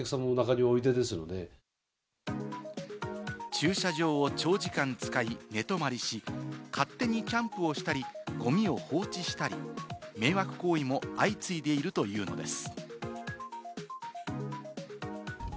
駐車場を長時間使い寝泊りし、勝手にキャンプをしたり、ゴミを放置したり、迷惑行為も相次いでいるというのです。